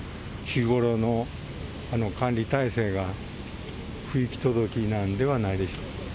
日頃の管理体制が不行き届きなんじゃないでしょうか。